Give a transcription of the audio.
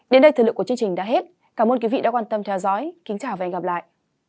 đến đây thời lượng của chương trình đã hết cảm ơn quý vị đã quan tâm theo dõi kính chào và hẹn gặp lại